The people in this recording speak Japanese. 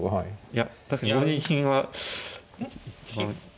いや確かに５二銀は嫌だった。